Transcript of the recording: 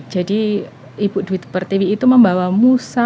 jadi ibu dwi pertiwi itu membawa musa